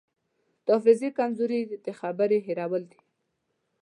د حافظې کمزوري د خبرې هېرول دي.